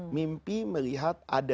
mimpi melihat ada tujuannya